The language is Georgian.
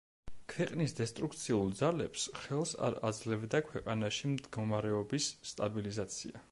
ქვეყნის დესტრუქციულ ძალებს ხელს არ აძლევდა ქვეყანაში მდგომარეობის სტაბილიზაცია.